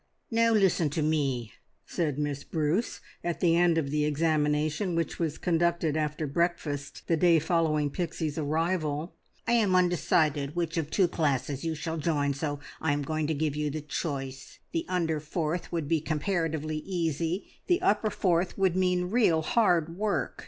"Now listen to me!" said Miss Bruce, at the end of the examination which was conducted after breakfast the day following Pixie's arrival. "I am undecided which of two classes you shall join, so I am going to give you the choice. The under fourth would be comparatively easy, the upper fourth would mean real hard work.